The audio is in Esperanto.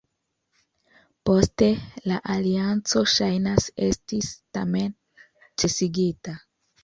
Poste, la alianco ŝajnas estis tamen ĉesigita.